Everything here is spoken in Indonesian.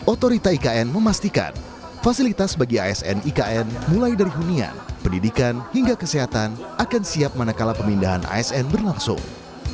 otorita ikn memastikan fasilitas bagi asn ikn mulai dari hunian pendidikan hingga kesehatan akan siap manakala pemindahan asn berlangsung